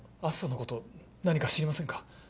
篤斗のこと何か知りませんか？